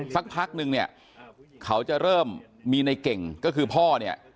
สักพักนึงเนี่ยเขาจะเริ่มมีในเก่งก็คือพ่อเนี่ย